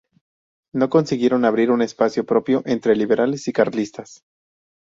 No consiguieron abrir un espacio propio entre liberales y carlistas.